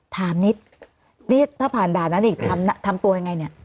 ถามนิดนี่ถ้าผ่านด่านนั้นอีกทำตัวยังไงเนี่ย